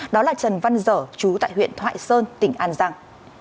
đó là trần văn dở chú tại huyện thoại sơn tỉnh an giang